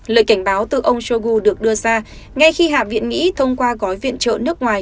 lời cảnh báo từ ông shoigu được đưa ra ngay khi hạ viện mỹ thông qua gói viện trợ nước ngoài